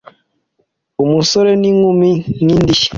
umusore n'inkumi nk'indishyi